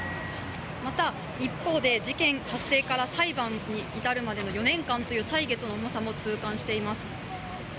また一方で、事件発生から裁判に至るまでの４年間という歳月の重さも痛感しています。